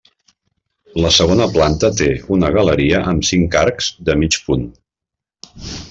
La segona planta té una galeria amb cinc arcs de mig punt.